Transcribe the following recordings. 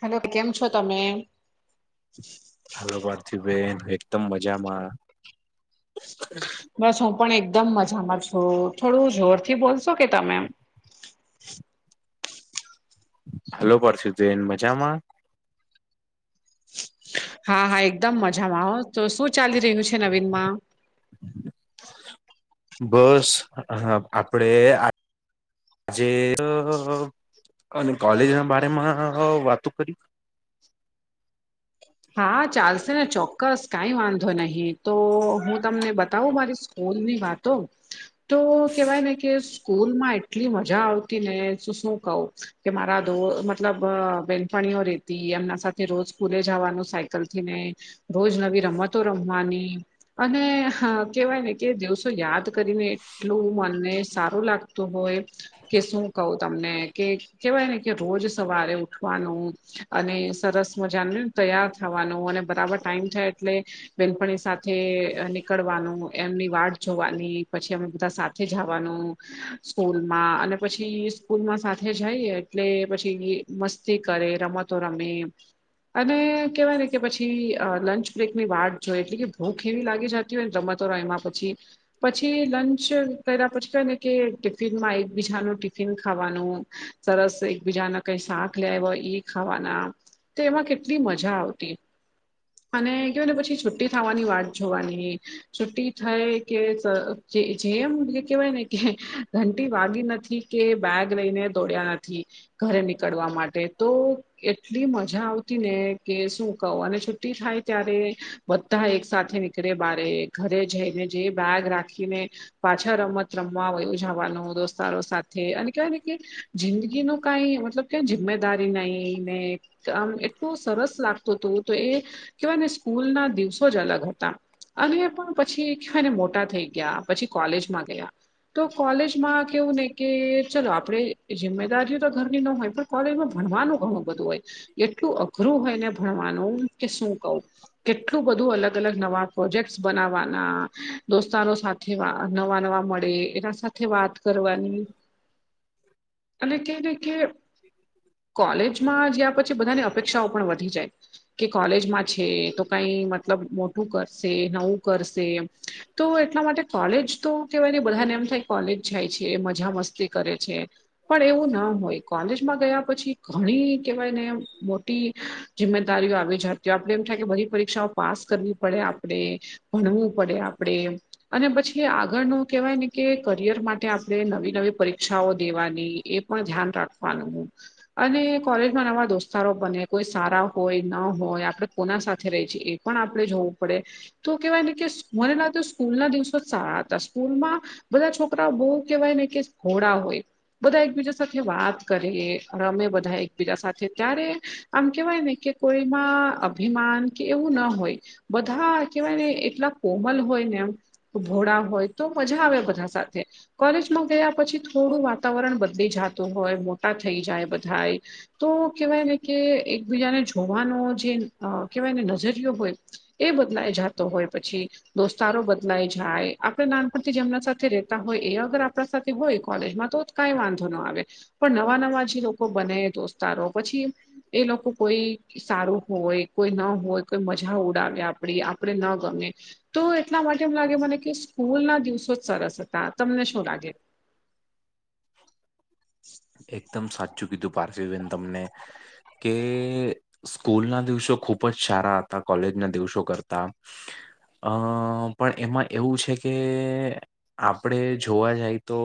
Hello કેમ છો તમે? હાલો પાર્થિવબેન એકદમ મજામાં. બસ હું પણ એકદમ મજામાં છું થોડું જોર થી બોલશો કે તમે. હલો [unintelligible] મજામા? હા હા એકદમ મજામાં આવો તો શું ચાલી રહ્યું છે નવીન માં? બસ આપડે આ આજે અને કોલેજ ના બારે માં વાતો કરી હા ચાલશે ને ચોક્કસ કાંઈ વાંધો નહી તો હું તમને બતાવું મારી સ્કૂલની વાત તો. તો કેવાય ને કે સ્કૂલમાં એટલી મજા આવતી ને તો શું કહ. કે મારા દો મતલબ બેનપણીઓ રેતી એમના સાથે રોજ સ્કૂલે જવાનું સાયકલ થી ને રોજ નવી રમતો રમવાની. અને કેવાય ને કે દિવસો યાદ કરીને. એટલું મને સારું લાગતું હોય, કે શું કઉ! તમને કે, કેહેવાય ને કે રોજ સવારે ઉઠવાનું. અને સરસ મજાનુ તૈયાર થવાનું અને બરાબર ટાઈમ થાય. એટલે બેનપણી સાથે નીકળવાનું, એમની વાટ જોવાની, પછી અમે બધા સાથે જવાનું. સ્કૂલમાં, અને પછી સ્કૂલમાં સાથે જાઈએ એટલે પછી મસ્તી કરે, રમતો રમે અને કેવાય કે પછી, લંચ બ્રેક ની વાટ જો એટલે કે, ભૂખ એવી લાગી જતી હોય ને, રમતો રયમા પછી પછી લંચ કર્યા પછી કય ને કે, ટિફિનમાં એકબીજાનું ટિફિન ખાવાનું સરસ એકબીજાને કઈ શાક લઇ આવ્યા હોય, એ ખાવાના. તો એમાં કેટલી મજા મજા આવતી. અને કેવાય ને પછી છુ્ટી થવાની વાટ જોવાની. છુટ્ટી થાય કે, જે જેમ એમ કેવાય ને કે ઘંટી વાગી નથી કે, બેગ લઈને દોડ્યા નથી. ઘરે નીકળવા માટે. તો એટલી મજા આવતી ને! કે શું કહુ અને છુ્ટી થાય ત્યારે, બધા એક સાથે નીકળે બારે ઘરે જઈને, જે બેગ રાખીને. પાછા રમત રમવા વયું જવાનું દોસ્તારો સાથે. અને કેવાય ને કે, જિંદગીનુ કાંઈ મતલબ કે જિમ્મેદારી નઈ. ને આમ એટલું સરસ લાગતું હતું. તો એ કહેવાયને કે સ્કૂલ ના દિવસો જ અલગ હતા. અને પણ પછી, કેવાયને મોટા થઈ ગયા પછી કોલેજમાં ગયા. તો કોલેજમાં કેવું ને કે, ચલો આપણે જિમ્મેદારીઓ તો ઘરની નો હોય પણ કોલેજમાં ભણવાનું ઘણું બધું હોય. એટલું અઘ અઘરું હોયને ભણવાનું કે, શું કવ કેટલું બધું અલગ-અલગ નવા પ્રોજેક્ટ્સ બનાવાના. દોસ્તારો સાથે નવા નવા મળ દે એના સાથે વાત કરવાની. અને કેને કે કોલેજમાં જયાં પછી બધાને અપેક્ષાઓ પણ વધી જાય. કે, કોલેજમાં છે તો કઈ મતલબ મોટું કરશે નવું કરશે. તો એટલા માટે કોલેજ તો કેવાય ને, બધાને એમ થાય કોલેજ જાય છે મજા મસ્તી કરે છે. પણ એવું ના હોય. કોલેજમાં ગયા પછી ઘણી કેવાય ને એમ ટી જિમ્મેદારીઓ આવી જાય. ત્યાં આપને એવુ થાય કે બધી પરીક્ષાઓ પાસ કરવી પડે આપડે ભણવું પડે આપડે અને પછી આગળનું કેવાય ને કે, કરિયર માટે આપણે નવી-નવી પરીક્ષાઓ દેવાની. એ પણ ધ્યાન રાખવાનું. અને કોલેજમાં નવા દોસ્તારો બને કોઈ સારા હોય ન હોય. આપડે કોના સાથે રહી છે. એ પણ આપડે જોવું પડે. તો કેવાય ને કે, મને લાગતુ સ્કૂલના દિવસો જ સારા હતા સ્કૂલમાં બધા છોકરાઓ બહુ કેવાય ને કે, ભોડા હોય. બધા એકબીજા સાથે વાત કરે અને અમે બધા એકબીજા સાથે ત્યારે આમ કેવાય ને કે, કોઈમાં અભિમાન કે એવું ન હોય. બધા કેવાય ને એટલા કોમલ હોય ને! એમ ભોળા હોય તો, મજા આવે બધા સાથે. કોલેજમાં ગયા પછી થોડું વાતાવરણ બદલી જાતું હોય. મોટા થઈ જાય બધા એ. તો કેવાય ને કે, એકબીજાને જોવાનો જે કેવાય ને નજરિયો હોય, એ બદલાય જાતો હોય પછી દોસ્તારો બદલાય જાય આપણે નાનપણથી જેમના સાથે રહેેતા હોય એ અગર આપણા સાથે હોય કોલેજમાં તો કાંઈ વાંધો ન આવે. પણ નવા નવા જે લોકો બને દોસ્તારો પછી એ લોકો કોઈ સારું હોય, કે કોઈ ન હોય તો કોઈ મજા ઉડાવે આપડી, આપડે ન ગમે. તો એટલા માટે એમ લાગે મને કે સ્કૂલ ના દિવસો જ સરસ હતા. તમને શું લાગે? એકદમ સાચું કીધું પાર્સીબેન તમને. કે... સ્કૂલ ના દિવસો ખુબ જ સારા હતા કોલેજના દિવસો કરતા. અહ પણ એમાં એવું છે કે. આપણે જોવા જઈ તો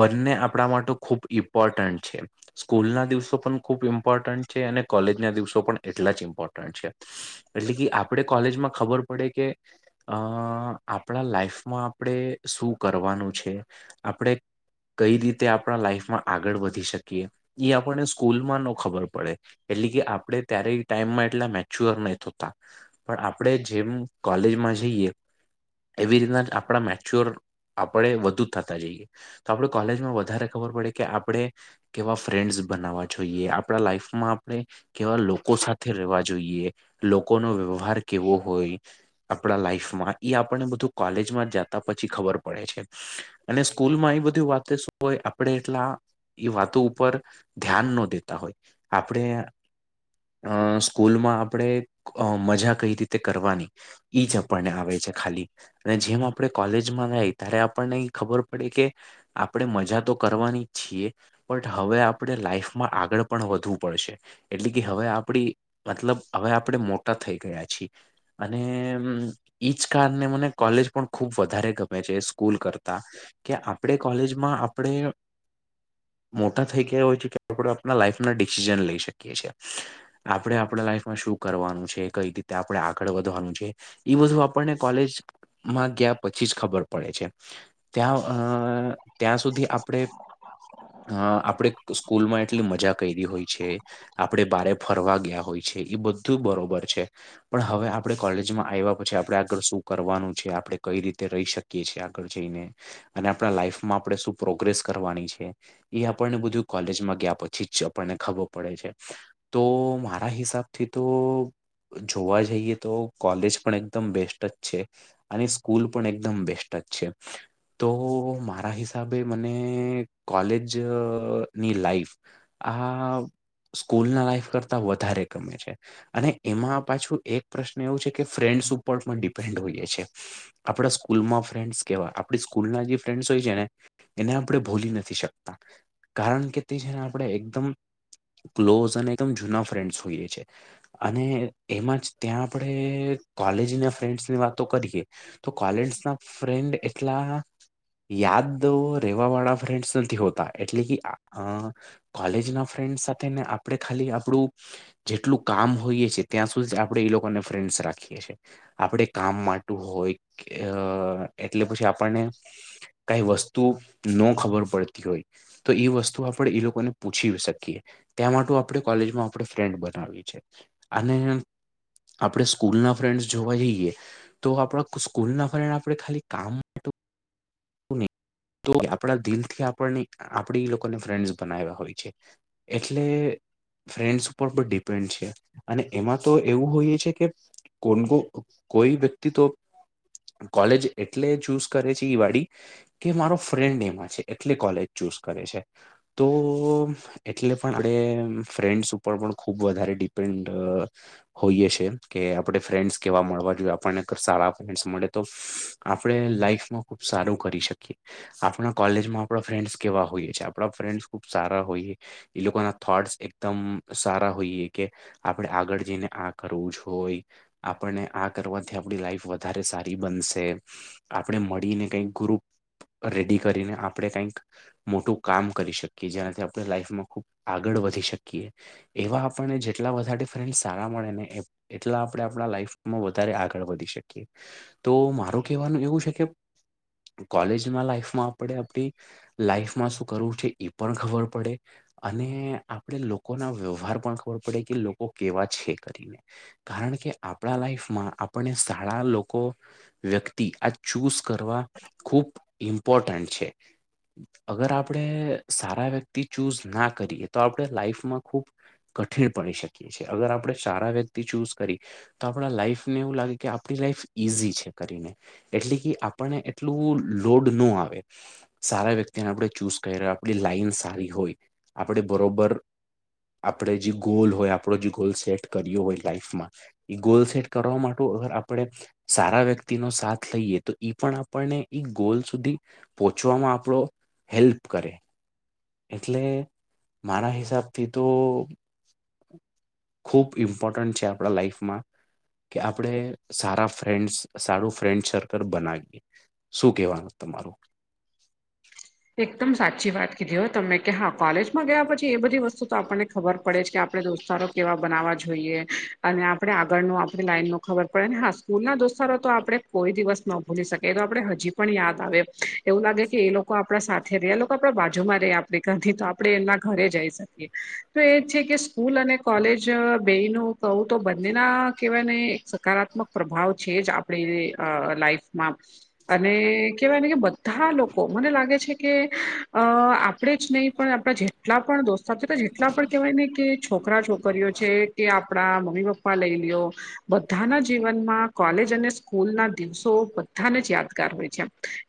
બંને આપણા માટે ખૂબ ઇમ્પોર્ટન્ટ છે. સ્કૂલના દિવસો પણ ખૂબ ઇમ્પોર્ટન્ટ છે અને કોલેજના દિવસો પણ એટલા જ ઇમ્પોર્ટન્ટ છે. એટલે કે આપણે કોલેજમાં ખબર પડે કે અ આપણા લાઈફમાં. આપણે શું કરવાનું છે આપણે કઈ રીતે આપણા લાઈફમાં આગળ વધી શકીએ ઈ આપણને સ્કૂલમાં નો ખબર પડે. એટલે કે આપણે ત્યારે ટાઈમમાં એટલા મેચ્ય્યોર નહ થતા. પણ આપણેે જેમ કોલેજમાં જઈએ એવી રીતના. આપણા મેચ્યોર આપણે વધુ થતા જઈએ. તો આપણે કોલેજમાં વધારે ખબર પડે કે આપણે. કેવા ફ્રેન્ડસ બનાવવા જોઈએ આપણા લાઈફમાં આપણે. કેવા લોકો સાથે રહેવા જોઈએ લોકોનો વ્યવહાર કેવો હોય. આપણા લાઈફમાં એ આપણને બધું કોલેજ માં જા. પછી ખબર પડે છે અને સ્કૂલ માં એ બધી વાતે શું હોય આપણેે એટલા. એ વાતો ઉપર ધ્યાન ન દેતા હોય આપણે. અ સ્કૂલમાં આપણે મજા કઈ રીતે કરવાની. ઈ જ આપણને આવે છે ખાલી અને જેમ આપણે કોલેજમાં રાય ત્યારે આપણને એ ખબર પડે કે આપણે મજા તો કરવાની જ છીએ. બટ હવે આપણે લાઈફમાં આગળ પણ વધવું પડશે. એટલે કે હવે આપડી મતલબ હવે આપણે મોટા થઈ ગયા છીએ. અને ઈજ કારણે મને કોલેજ. પણ ખૂબ વધારે ગમે છે સ્કૂલ કરતા કે આપણે કોલેજમાં આપડે મોટા થઈ ગયા હોય છે કે આપણે આપણા લાઈફના ડિસિઝન લઈ શકીએ છીએ. આપડણે આપણા લાઈફમાં શું કરવાનું છે કઈ રીતે આપણે આગળ વધવાનું છે. ઈ બધુ આપણને કોલેજ માં ગયા પછી જ ખબર. પડે છે ત્યાં અ ત્યાં સુધી આપણે. હ આપડણે સ્કૂલમાં એટલી મજા કરી હોય છે આપડે બારે. ફરવા ગયા હોય છે એ બધું બરોબર છે. પણ હવે આપડે કોલેજમાં આવ્યા પછી આપડે આગળ શું કરવાનું. આપડે કઈ રીતે રહી શકીએ છીએ આગળ જઈને. અને આપણા લાઈફમાં આપણે શું પ્રોગ્રેસ કરવાની છે. એ આપણને બધું કોલેજમાં ગયા પછી જ આપણને ખબર પડે છે. તો મારા હિસાબથી તો. જોવા જઈએ તો કોલેજ પણ એકદમ બેસ્ટ જ છે. અને સ્કૂલ પણ એકદમ બેસ્ટ જ છે. તો મારા હિસાબે મને કોલેજ ની લાઈફ. આ સ્કૂલ ના લાઈફ કરતા વધારે ગમે છે. અને એમાં પાછું એક પ્રશ્ન એવું છે કે ફ્રેન્ડ ઉપર્ટમાં ડિપેન્ડ હોઈએાય. આપડા સ્કૂલમાં ફન્ડ કેવા આપ સ્કૂલ ના જે ફ્રેન્ડસ હોય છે ને. એને આપણે ભૂલી નથી શકતા કારણ કે તે છે ને આપણે એકદમ. ક્લોઝ અને એકદમ જૂના ફ્રેન્ડ્સ હોય છે. અને એમાં જ ત્યાં આપણે કોલેજના ફ્રેન્ડસની વાત. તો કરીએ તો કોલેજ ના ફન્ડ એટલા. યાદ રેવા વાળા ફ્રેન્ડસ નથી હોતા એટલે કે. કોલેજ ના ફ્રેન્ડ સાથે ને આપડણે ખાલી આપણું. જેટલું કામ હોઈએ છે ત્યાં સુધી આપણે એ લોકોને ફ્રેન્ડસ રાખીએ છએ આપણે. કામ માટેું હોય અ એટલે પછી આપણને. કઈ વસ્તુ નો ખબર પડતી હોય. તો એ વસ્તુ આપડણે એ લોકોને પૂછી શકીએ. ત્યાં માટે આપણે કોલેજમાં આપણે ફ્રેન્ડ બનાવી છે અને આપણે સ્કૂલ ના ફ્રેન્ડસ જોવા જઈએ તો આપણા સ્કૂલ ના ફ્રેન્ડ આપણે ખાલી કામ. માટે તો આપણા દિલથી આપ આપડી ઈ લોકોને ફ્રેન્ડસ બનાવ્યા હોય છે. એટલે. ફ્રેન્ડસ ઉપર પણ ડિપેન્ડ છે અને એમાં તો એવું હોઈએ છે કે કોન કોઈ વ્યક્તિ તો કોલેજ એટલે ચુઝ કરે છે એઈ વાળી કે મારો ફ્રેન્ડ એમાં છે એટલે કોલેજ ચૂઝ કરે છે તો. એટલે પણ આપડે ફ્રેન્ડસ ઉપર પણ ખુબ વધારે ડિપેન્ડ હોઈએ છે કે આપણે ફ્રેન્ડસ કેવા મળવા જોઈએ આપણને સારા ફ્રેન્ડસ મળે તો આપણે લાઈફમાં ખુબ સારું કરી શકીએ. આપણા કોલેજમાં આપણા ફ્રેન્ડસ કેવા હોઈએ આપણા ફ્રેન્ડસ ખુબ સારા હોઈએ. એ લોકો ના થોટ્સ એકદમ સારા હોઈએ કે. આપડણે આગળ જઈને આ કરવું જો હોય. આપણને આ કરવાથી આપડી લાઈફ વધારે સારી બનશે આપણે મળીને કઈક ગ્રુપ રેડી કરીને આપણેે કઈક મોટું કામ કરી શકીએ જેનાથી આપણે લાઈફમાં ખુબ આગળ વધી શકીએ. એવા આપણને જેટલા બારે ડ ફ્રેન્ સારા મળે ને. એટલા આપણે આપણા લાઈફમાં વધારે આગળ વધી શકીએ તો મારું કહેવાનું એવું છે કે કોલેજમાં લાઈફમાં આપડે આપડી લાઈફમાં શું કરવું છે એ પણ ખબર પડે અને આપણેે લોકો ના વ્યવહાર પણ ખબર પડે કે લોકો કેવા છે કરીને કારણ કે આપણા લાઈફમાં આપણને સારા લોકો વ્યક્તિ આ ચૂઝ કરવા ખૂબ ઇમ્પોર્ટન્ટ છે. અગર આપણે સારા વ્યક્તિ ચૂઝ ના કરીએ તો આપણે લાઈફમાં ખુબ. કઠિણ પડી શકીએ છીએ અગર આપણે સારા વ્યક્તિ ચૂઝ કરી. તો આપણા લાઈફને એવું લાગે કે આપણી લાઈફ ઈઝી છે કરીને એટલે કે આપને એટલું લોડ ન આવે. સારા વ્યક્તિને આપણે ચૂઝ કરી રહ્યો આપડી લાઈન સારી હોય આપડે બરોબર આપણે જે ગોલ હોય આપણો જે ગોલ સેટ કર્યો હોય લાઈફમાં એ ગોલ સેટ કરવા માટે અગર આપણે સારા વ્યક્તિનો સાથ લઈએ તો ઈ પણ આપણને એઈ ગોલ સુધી પહોંચવામાં આપણો હેલ્પ કરે. એટલે મારા હિસાબથી તો ખૂબ ઇમ્પોર્ટન્ટ છે આપણા લાઈફમાં. કે આપણેે સારા ફ્રેન્ડ સારું ફ્રેન્ડ સર્કલ બનાવીએ. શું કેવાનું તમારું? એકદમ સાચી વાત કીધી હોય તમે કે હા કોલેજમાં ગયા પછી એ બધી વસ્તુ તો આપણને ખબર પડે છે કે આપડણે દોસ્તારો કેવા બનાવા જોઈએ અને આપડણે આગળનો આપણે લાઈનો ખબર પડેને હ સ્કૂલ ના દોસ્તારો તો આપડણે કોઈ દિવસ ન ભૂલી શકીએ એ તો આપડે હજી પણ યાદ આવે એવું લાગે કે એ લોકો લોકો આપણા સાથે રહ્યા લોકો આપણા બાજુ માં રહે આપણેથી તો આપડણે એમના ઘરે જઈ શકીએ તો એ જ છે કે સ્કૂલ અને કોલેજ બેનું કહું તો બંનેના કહેવાય ને સકારાત્મક પ્રભાવ છે જ આપણી લાઈફમાં અને કેહેવાય ને કે બધા લોકો મને લાગે છે કે અ આપ આપણે જ નહીં પણ આપણા જેટલા પણ દોસ્તા છે જેટલા પણ કહેવાય ને કે છોકરા છોકરીઓ છે. કે આપણા મમ્મી પપ્પા લઈ લ્યો બધાના જીવનમાં કોલેજ અને સ્કૂલ ના દિવસો બધાને યાદગાર હોય છે.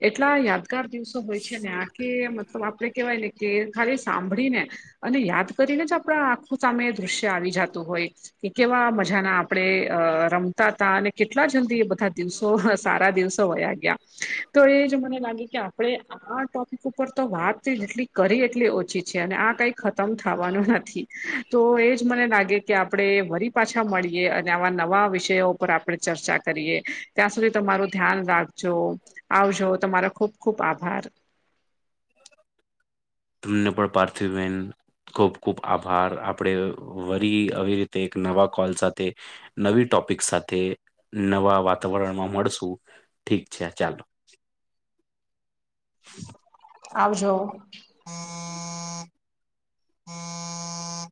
એટલા યાદગાર દિવસો હોય છે ને આ કે મતલબ આપણે કેહેવાય ને કે ખાલી સાંભળી ને અને યાદ કરીને જ આપણા આખું સામે દ્રશ્ય આવી જતું હોય. કે કેવા મજાના આપડે અ રમતા હતા અને કેટલા જલ્દી એ બધા દિવસો સારા દિવસો વયા ગયા તો એ જો મને લાગે કે આપણે આ ટોપિક ઉપર તો વાત જેટલી કરી એટલી ઓછી છે અને આ કઈ ખતમ થવાનું નથી. તો એજ મને લાગે કે આપડે વડી પાછા મળીએ અને આવા નવા વિષયો ઉપર આપણે ચર્ચા કરીએ ત્યાં સુધી તમારું ધ્યાન રાખ જો આવજો તમારો ખુબ ખુબ આભાર. તમને પણ પાર્થિવન. ખૂબ ખુબ આભાર આપણેે વડી આવી રીતે એક નવા કોલ સાથે નવી ટોપિક સાથે નવા વાતાવરણમાં મળશું ઠીક છે, ચાલો. આવજો. હ હ [unintelligible]